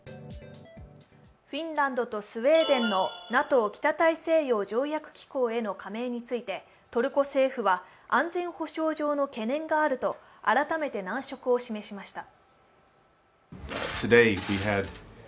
フィンランドとスウェーデンのＮＡＴＯ＝北大西洋条約機構への加盟について、トルコ政府は安全保障上の懸念があると改めて難色を示しました。